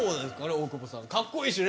大久保さん。